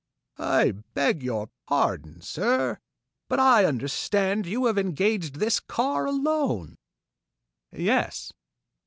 "I beg your pardon, sir, but I understand you have engaged this car alone?" "Yes."